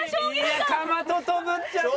いやかまととぶっちゃってまた。